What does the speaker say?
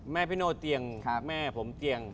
พี่โน่เตียงแม่ผมเตียง